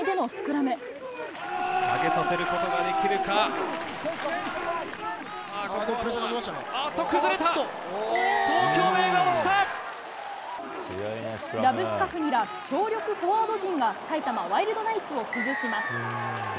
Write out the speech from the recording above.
ラブスカフニら強力フォワード陣が埼玉ワイルドナイツを崩します。